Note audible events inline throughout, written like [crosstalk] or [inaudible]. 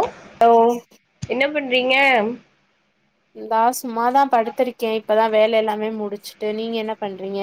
ஒ ஓ என்ன பண்றீங்க இந்தா சும்மாதா படுத்திருக்கே இப்பதா வேல எல்லாமே முடிச்சிட்டு நீங்க என்ன பண்றீங்க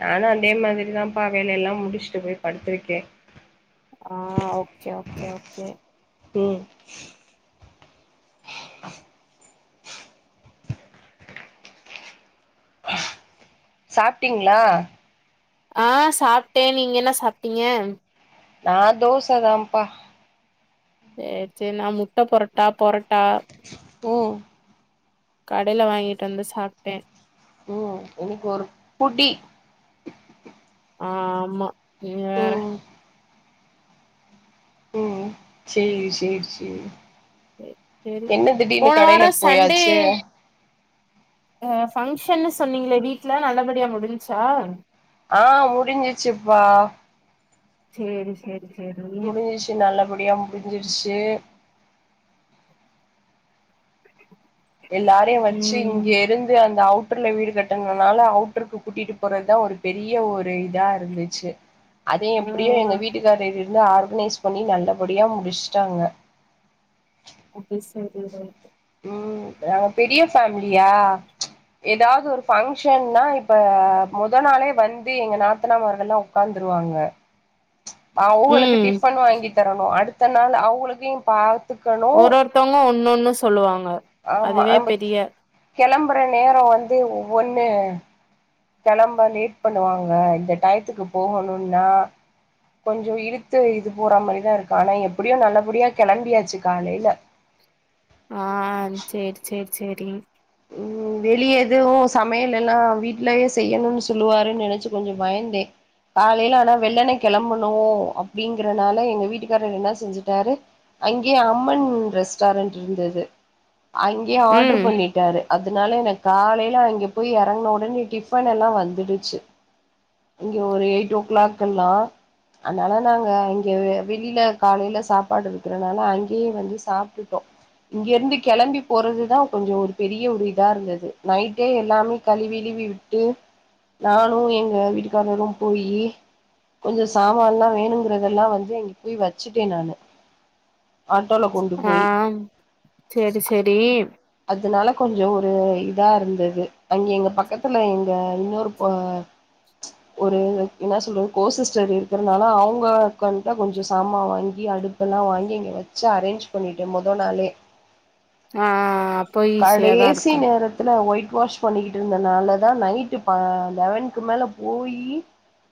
நானு அந்தே மாதிரிதாம்ப்பா வேல எல்லா முடிச்சிட்டு போய் படுத்திருக்கே ஆ ஓகே ஓகே ஓகே ம் சாப்ட்டீங்ளா ஆ சாப்ட்டே நீங்க என்ன சாப்ட்டீங்க நா தோச தாம்ப்பா சேர் சேர் நா முட்ட பொரட்டா பொரட்டா ஓ கடைல வாங்கிட்டு வந்து சாப்ட்டே ம் இன்னக்கு ஒரு புடி ஆ ஆமா நீங்க வேற ம் ம் சேரி சேரி சேரி சேரி என்ன திடீர்னு போன வாரோ கடையில போயாச்சு ஆ ஃபங்க்ஷன்னு சொன்னீங்களே வீட்ல நல்லபடியா முடிஞ்ச்சா ஆ முடிஞ்சிச்சிப்பா சேரி சேரி சேரி முடிஞ்சிச்சி நல்லபடியா முடிஞ்சிடுச்சி எல்லாரையு வச்சி இங்க ம் இருந் து அந்த அவுட்ர்ல வீடு கட்டனனால அவுட்ருக்கு கூட்டிட்டு போறதா ஒரு பெரிய ஒரு இதா இருந்து சி அத ஆ எப்டியு எங்க வீட்டுக்காரு இது இதுனு ஆர்கனைஸ் பண்ணி நல்லபடியா முடிச்ட்டாங்க அது செரி ம் நாங்க பெரிய ஃபேமிலியா ஏதாது ஒரு பங்க்ஷன்னா இப்ப மோத நாளே வந்து எங்க நாத்தனாமர்கள்லா ஒட்காந்துருவாங்க அவுங்களுக்கு ம் டிஃபன் வாங்கி தரணும் அடுத்த நாள் அவுங்களுக்கியு பாத் ஒரு ஒருத்தவங்க ஒன்னு ஒன்ணு சொல்லுவாங்க ஆமா அதுவே நம்ப பெரிய கெளம்பற நேரோ வந்து ஒவ்வொன்னு கெளம்ப லேட் பண்ணுவாங்க இந்த டயத்துக்கு போகணுன்னா கொஞ்சோ இழுத்து இது போட்றா மாரிதா இருக்கு ஆனா எப்டியோ நல்லபடியா கெளம்பியாச்சு காலைல ஆ செரி செரி செரி ம் வெளிய எதுவு சமையலேல்லா வீட்லயே செய்யணுன்னு சொல்லுவாருன் நெனச்சு கொஞ்ச பயந்தே காலைல ஆனா வெள்ளனே கெளம்பனு அப்டிங்கறனால எங்க வீட்டுக்காரர் என்ன செஞ்சுட்டாரு அங்கேயே அம்மன் ரெஸ்டாரன்ட்ருந்துது அங்கேயே ஆர்ட்ரு ம் பண்ணி டாரு அதுனாலயே எனக் காலைல அங்க போயி எறங்குன ஒடனே டிஃபன் எல்லா வந்துடுச்சு இங்க ஒரு எயிட் ஓ கிளாக்கெல்லா அனால நாங்க இங்க வெளில காலேல சாப்பாடு இருக்குறனால அங்கேயே வந்து சாப்ட்டுட்டோ இங்கேருந்து கிளம்பி போறது தா கொஞ்சோ ஒரு பெரிய ஒரு இதா இருந்தது நைட்டே எல்லாமே களிவிலுவி விட் ட்டு நானு எங்க வீட்டுக்காரரு போயி கொஞ்ச சாமான்லா வேணுங்கறதெல்லா வந்து இங்க போய் வச்சுட்டே நானு ஆட்டோல கொண்டு போயி செரி செரி அதுனால கொஞ்சோ ஒரு இதா இருந்தது அங்க எங்க பக்கத்துல எங்க இன்னொரு போ ஒரு என்ன சொல்றது கோ சிஸ்டர் இருக்கறனால அவுங்க உட்கந்ட்டா கொஞ்ச சாமா வாங்கி அடுப்பெல்லா வாங்கி இங்க வச்சு அரேஞ்ச் பண்ணிட்டே மோதனாலே ஆ ஆ ஆ கடேசி நேரத் துல ஒயிட் வாஷ் பண்ணிக்கிட்ருந்தனால தா நைட்டு ப லெவன்கு மேல போயி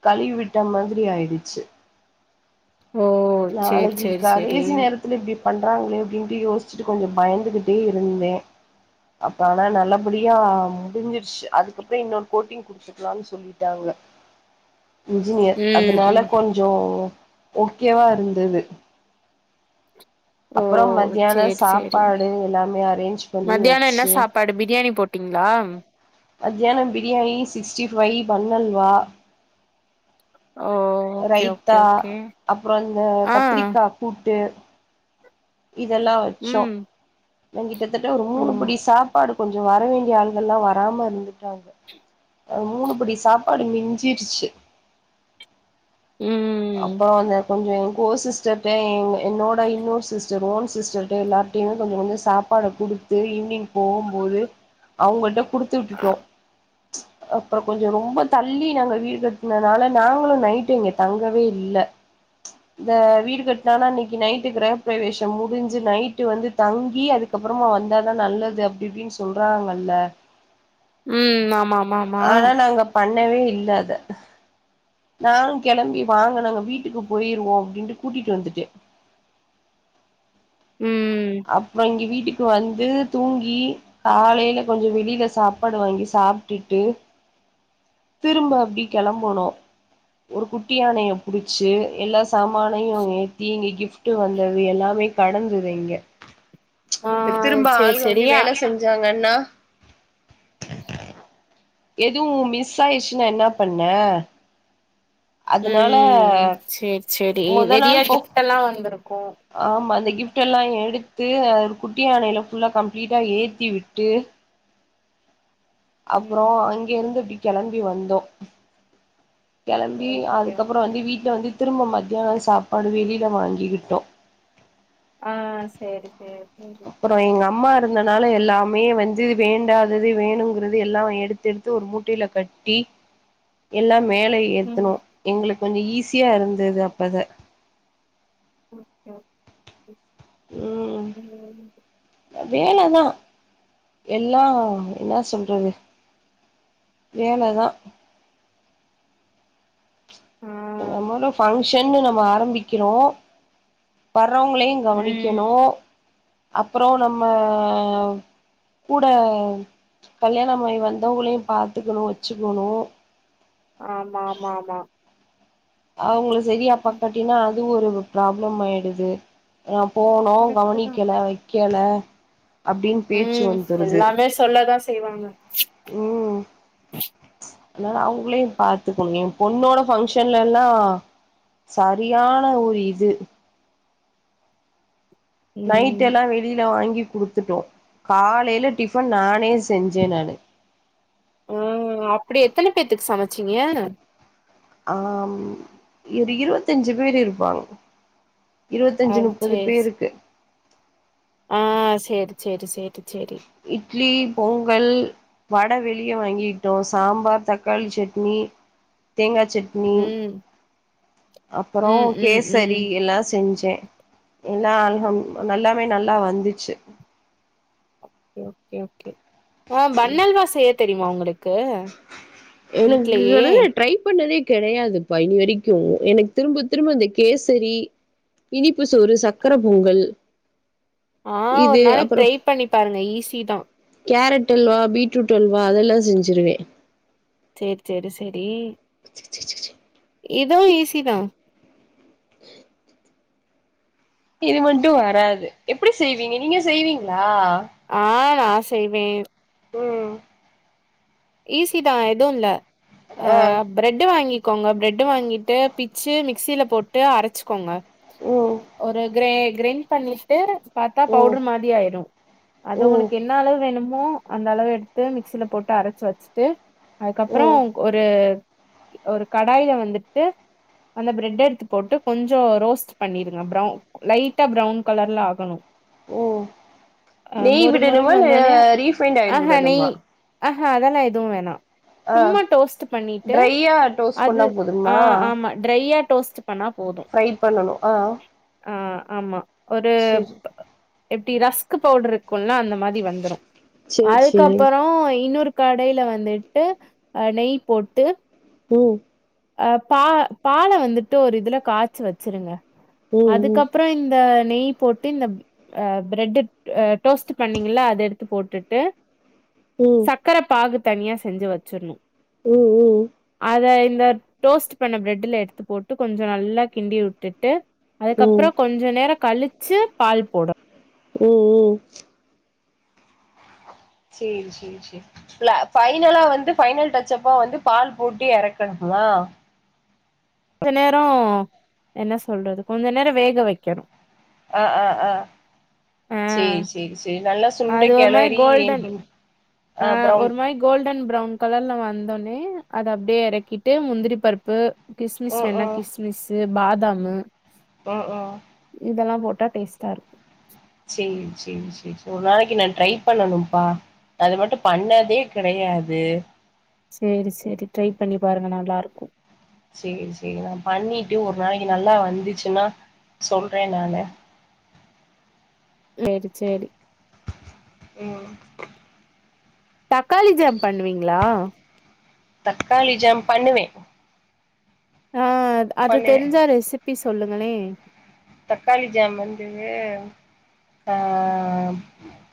கழுவி விட்ட மாதிரி ஆயிடுச்சு ஓ சேரி நாளைக்கு சேரி சேரி கடைசி நேரத் துல இப்டி பண்றாங்களே அப்டின்ட்டு யோசிச்சுட்டு கொஞ்சோ பயந்துகிட்டே இருந்தே அப்பாடா நல்லபடியா முடிஞ்சிருச்சு அதுக்கப்றோ இன்னொரு கோட்டிங் குடுத்துக்கலான் சொல்லிட்டாங்க இன்ஜினியர் ம் அதுனால ம் கொஞ்சோ கேவா இருந்துது ஓ அப்றோ மத்தியான சேரி சேரி சாப்பாடு எல்லாமே அரேஞ்ச் பண்ணி வச்சு படு பிரியாணி போட் டிங்ளா மத்யானோ பிரியாணி சிக்ஸ்ட்டி ஃபைவ் பண் அல்வா ஓ ஓகே ஓகே ரைத்தா ஓகே அப்றோ இந்த ஆ கத்திரிக்கா கூட்டு இதெல்லா வச்சோ ம் ந கிட்டத்தட்ட ஒரு ஓ மூணு படி சாப்பாடு கொஞ்சோ வர வேண்டிய ஆளுங்கள்ளா வராம இருந்துட்டாங்க அ மூணுபடி சாப்பாடு மிஞ்சிடுச்சு ம் அப்பற அந்த கொஞ்ச எ கோ சிஸ்டர்ட்ட என் என்னோட இன்னொரு சிஸ் டர் ஓன் சிஸ்டர்ட்ட எல்லார்டையுமே கொஞ்ச கொஞ்ச சாப்பாட குடுத்து ஈவ்னிங் போகும் போது அவ்ங்கட்ட குடுத்து விட்டுட்டோ அப்பற கொஞ்ச ரொம்ப தள்ளி நாங்க வீடு கட்னனால நாங்களு நைட்டு இங்க தங் கவே இல்ல இந்த வீடு கட்னானா இன்னைக்கு நைட்டு கிரகப்பிரவேஷம் முடிஞ்சு நைட்டு வந்து தங்கி அதுக்கப்பறமா வந்தாதா நல்லது அப்டி இப்டின் சொல்றாங்கல்ல ம் ஆமாம்மாம்மா ஆனா நாங்க பண்ணவே இல்ல அத நானு கெளம்பி வாங்க நம்ம வீட்டுக்கு போயிருவோ அப்டின்ட்டு கூட்டிட்டு வந்துட்டே ம் அப்ற இங்க வீட்டுக்கு வந்து தூங்கி காலைல கொஞ்ச வெளில சாப்பாடு வாங்கி சாப்ட்டுட்டு திரும்ப அப்டி கெளம்பணு ஒரு குட்டி யானைய புடிச்சு எல்லா சமானையு ஏத்தி இங்க கிஃப் விட்டு வந்தது எல்லாமே கெடந்தது இங்க ஆ ஏ திரும்ப சேரி ஆளுக வந்து சேரி வேல செஞ்சாங்கன்னா எதுவு மிஸ் ஆயிருச்சுன என்ன பண்ண அதுனால செரி நெறையா கிஃப்டெல்லா வந்திருக்கு ஆமா அந்த கிஃப்டெல்லா எடுத்து அத ஒரு குட்டி யானைல ஃபுல்லா கம்ப்ளீட்டா ஏத்தி விட்டு அப்றோ ம் அங்கெருந்து இப்டி கெளம்பி வந்தோ கெளம்பி ஓகே அதுக்கப்பற ஓகே வந்து வீட்ல வந்து திரும்ப மத்தியான சாப்பாடு வெளில வாங்கிக்கிட்டோ ஆ சேரி சேரிங்க அப்ற எங்க அம்மா இருந்தனால எல்லாமே வந்து இது வேண்டாதது வேணுங்கிறது எல்லா எடுத்தெடுத் து ஒரு மூட்டைல கட்டி எல்லா மேல ஏ ம் ஏத்துனோ எங்களுக்கு கொஞ்ச ஈஸியா இருந்தது அப்பத [inaudible] அ வேலதா எல்லா என்னா சொல்றது வேல தா ஆ மொத மொத ஃபங்க்ஷன்னு நம்ம ஆரம்பிக்கிறோ வர்றவ்ங்களையு ம் கவனிக்கணு அப்றோ நம்ம கூட கல்யாணமாயி வந்தவ்ங்களையு பாத்துக்கணு வச்சுக்கணு ஆமாம்மாம்மா அவ்ங்கள செரியா பாக்காட்டினா அது ஒரு ப்ராப்ளம் ஆயிடுது அ போனோ கரெக்ட்டு தா கவனிக்கல வக்கெல அப்டின்னு பேச்சு ம் வந்துருது எல்லாமே சொல்லதா செய்வாங்க ம் அதனால அவ்ங்களையு பாத்துக்கணு எ பொண்ணோட ஃபங்க்ஷன்லெல்லா சரியான ஒரு இது ம் நைட்டெல்லா வெளில வாங்கி குடுத்துட்டோ காலைல டிஃபன் நானே செஞ்சே நானு ம் அப்டி எத்தன பேத்துக்கு சமச்சீங்க ஆம் ஒரு இருவத்தஞ்சு பேரு இருப்பாங்க ஆ இருவத்தஞ்சு முப்பது சேரி சே பேருக்கு ஆ சேரி சேரி சேரி சேரி இட்லி பொங்கல் வட வெளிய வாங்கிகிட்டோ சாம்பார் தக்காளி சட்னி தேங்கா சட் னி ம் அப்றோ ம் ம் ம் கேசரி எல்லா செஞ்சேன் எல்லா ஆல்ஹம் நல்லாமே நல்லா வந்துச்சு ஓக்கே ஓக்கே அ பன் அல்வா செய்ய தெரிமா உங்களுக் எனக்கு [unintelligible] ட்ரைப் பண்ணதே கெடயாது ப்பா இது வரிக்கும் எனக்கு திரும்ப திரும்ப அந்த கேசரி இனிப்பு சோறு சக்கர பொங்கல் ஆ ஒர் இது நாளைக் அப்புறோ ட்ரைப் பண்ணி பாருங்க ஈஸி தா கேரட் அல்வா பீட்ரூட் அல்வா அதெல்லா செஞ்சிருவே சேர் சேரி செரி கிச்சுசுசு இதோ ஈஸி தா எப்டி செய்விங்க நீங்க செய்வீங்ளா ஆ நா செய்வே ம் ஈஸி தா எதும் இல்ல ஆ ப்ரெட்டு் வாங்கிக்கோங்க ப்ரெட்டு் வாங்கிட்டு பிச்சு மிக்சில போட்டு அரச்க்கோங்க ம் ஒரு க்ரே க்ரின் பண்ணிட்டு பாத்தா ம் பவுட்ரு மாதி ஆய்டு அது ம் உனக்கு என்ன அளவு வேணுமோ அந்த அளவு எடுத்து மிக்ஸில போட்டு அரச் வெச்ட்டு அதுக்கப்றோ ம் ஒரு ஒரு கடாய்ல வந்துட்டு அந்த ப்ரெட் எடுத்து போட்டு கொஞ்சோ ரோஸ்ட் பண்ணிடுங்க ப்ரௌன் லைட்டா ப்ரௌன் கலர்ல ஆகணு ம் அ நெய் மொறு மொறுன் விடணுமா இல்ல வந்தோன்னே ரீஃபைண்ட் ஆ ஆயில் ஹா நெய் விடணுமா ஆ ஹா அதல்லா எதுவு வேணா ஆ சும்மா டோஸ்ட்டு பண்ணிட்டு ட்ரையா டோஸ்ட் அது பண்ணா ஆ போதுமா ஆமா ட்ரையா டோஸ்ட்டு பண்ணா போது ஃப்ரை பண்ணணு ஆ ஆ ஆமா ஒரு சேரி எப்டி ரஸ்க்கு பவுட்ருக்கும்ல அந்த மாரி வந்துரு சேரி சேரி அதுக்கப்பறோ இன்னொரு கடைல வந்துட்டு அ நெய் போட்டு ம் அ பா பால வந்துட்டு ஒரு இதுல காச்சு வச்சுருங்க ம் ம் அதுக்கப்றோ இந்த நெய் போட் ட்டு இந்த அ ப்ரெட்டு் அ டோஸ்ட்டு பண்ணிங்கல்ல அத எடுத்து போட்டுட்டு ம் க்ர பாகு தனியா செஞ்சு வச்சிட்ணு ம் ம் அத இந்த டோஸ்ட்டு பண்ண ப்ரெட்டுல எடுத்து போட்டு கொஞ்சோ நல்லா கிண்டி உட்டுட்டு ம் அதுக்கப்றோ கொஞ்ச நேரோ கழிச்சி பால் போட ம் ம் சேரி சேரி சே ல ஃபைனலா வந்து பைனல் டச்சப்பா வந்து பால் போட்டு எறக்கணுமா ஞ்ச நேரோ என்ன சொல்றது கொஞ்ச நேரோ வேக வெக்கணு ஆ ஆ ஆ ஆ சேரி சேரி சேரி நல்லா சுண்ட அது ஒரு மாரி கெளரி கோல்டன் ஆ அப்றம் ஒரு மாரி கோல்டன் ப்ரௌன் கலர்ல வந்தோன்னே அத அப்டியே எறக்கிட்டு முந்திரி பருப்பு மிஸ் ம் வேண்னா ம் கிஸ்மிஸ்சு பாதாமு ஆ ஆ இதெல்லா போட்டா டேஸ்ட்டா இருக்கு சேரி சேரி செ ஒரு நாளைக்கி நா ட்ரை பண்ணனும்ப்பா அது மட்டு பண்ணதே கெடையாது சேரி சேரி ட்ரை பண்ணி பாருங்க நல்லா இருக்கு சேரி சேரி நா பண்ணிட்டு ஒரு நாளைக்கு நல்லா வந்துச்சுன்னா சொல்ற நானு சேரி சேரி ஆமா தக்காளி ஜம் பண்ணுவீங்ளா தக்காளி ஜம் பண்ணுவே ஆ அது பண்ணுவே தெரிஞ்சா ரெசிபி சொல்லுங்களே தக்காளி ஜம் வந்து அம்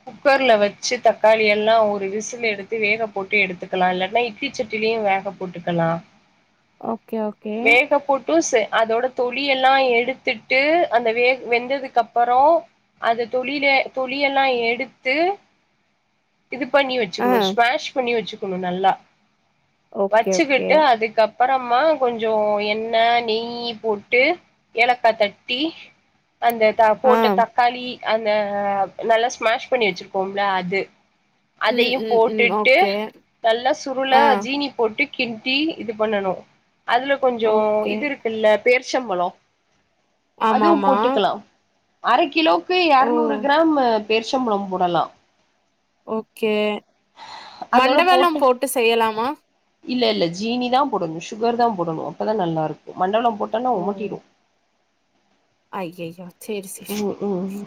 குக்கர்ல வச்சு தக்காளி எல்லா ஒரு விசில் எடுத்து வேக போட்டு எடுத்துக்கலா இல்லன்னா இ இட்லி சட்டிலயு வேக போட்டுக்கலா ஓகே ஓகே வேக போட்டு ச அதோட தொளி எல்லா எடுத்துட் டு அந்த வே வெந்ததுக்கு அப்புறோ அது தொலில தொலியெல்லா எடுத்து இது பண்ணி ஆ வச்சுகணு ஸ்மஷ் பண்ணி வச்சுகணு நல்லா ஓகே ஓகே வச்சுக்கிட்டு அதுக்கப் அப்பறமா கொஞ்சோ எண்ண நெய் போட்டு ஏலக்கா தட் டி அந்த த ஆ போட்ட தக்காளி அந்த நல்லா ஸ்மஷ் பண்ணி வச்சிருக்கோம்ல அது ம் அதையு ம் ம் போட்டுட்டு ஓகே நல்லா சுருள ஆ ஜீனி போட்டு கிண்டி இது பண்ணணு அதுல கொஞ்சோ ஓகே இது இருக்குல்ல பேர்ச்சம்பழோ அதுவு ஆமாமா போட்டுக்கலா அர கிலோக்கு ஓ எரநூறு க்ரம்மு பேர்ச்சம்பழம் போடலா ஓகே மண்டவெல்லம் போட்டு செய்யலாமா இல்ல இல்ல ஜீனி தா போடணு சுகர் தா போடணு அப்பதா நல்லா இருக்கு மண்ட வெல்லம் போட்டன்னா ஒமட்டிடு ஐய்யய்யோ சேரி சேரி ம் ம்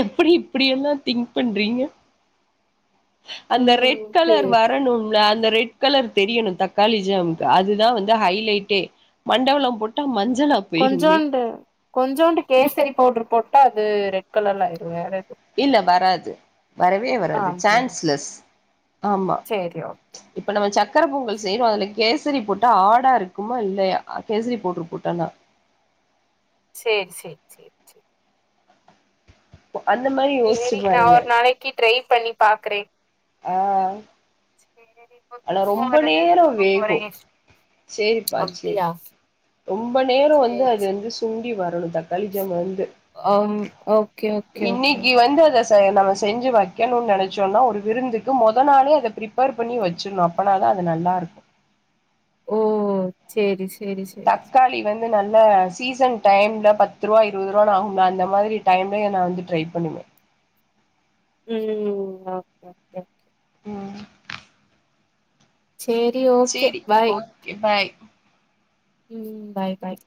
எப்டி இப்பிடியெல்லா திங்க் பண்றீங்க அந்த ரெட் ம் கலர் சேரி வரணும்ல அந்த ரெட் கலர் தெரியணு தக்காளி ஜமுக்கு அதுதா வந்து ஹைலைட்டே மண்டவெல்லம் போட்டா மஞ்சளா போயிருமே கொஞ்சோண்டு கொஞ்சோண்டு கேசரி பவ்ட்ர் போட்டா அது ரெட் கலர்ல ஆய்டுங்க வேறெது இல்ல வராது வரவே வராது அப்டியா சான்ஸ்லெஸ் ஆமா சேரி ஓக் இப்ப நம்ம சக்கர பொங்கல் செய்றோ அதுல கேசரி போட்டா ஆடா இருக்குமா இல்லையா கேசரி பவுடர் போட்டன்னா சேர் சேர் சேர் சே போ அந்த மரி சேரி நா ஒரு நாளைக்கி ட்ரை பண்ணி பாக்குறே அ சேரி இப்ப தூங்கோ வருது நேரோ தூங்க போறே வேகு சேரிப்பா சேரி அப்டியா ரொம்ப நேரோ வந்து சேரி அது சே வந்து சுண்டி வரணு தக் காளிஜாம் வந்து அம் ஓகே ஓகே ஓகே ஓகே. இன்னிக்கு வந்து அத த நம்ம செஞ்சு வக்கணுன் நெனைச்சோன்னா ஒரு விருந்துக்கு முத நாளே அத ப்ரிப்பேர் பண்ணி வச்சிண்ணோ அப் பனா தா அது நல்லா இருக் ஓ சேரி செரி செரி அது வந்து நல்ல சீசன் டைம்ல பத்ரூபா இருவதுரூபா‌ வாங்கும்ல அந்த மாதிரி டைம்ல நா வந்து ட்ரை பண்ணுவே ம் ம் லா ஓகே ம் சேரி ஒ செரி ஓகே பாய் ம் பாய் பாய்